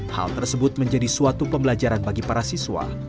hal tersebut menjadi suatu pembelajaran bagi para siswa